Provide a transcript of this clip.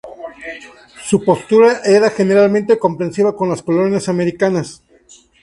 Su postura era generalmente comprensiva con las colonias americanas.